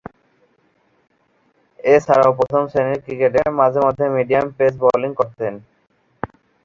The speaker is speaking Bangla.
এছাড়াও প্রথম-শ্রেণীর ক্রিকেটে মাঝে-মধ্যে মিডিয়াম পেস বোলিং করতেন।